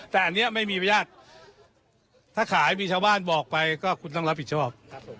แต่อันนี้ไม่มีบรรยาทถ้าขายมีชาวบ้านบอกไปก็คุณต้องรับผิดชอบ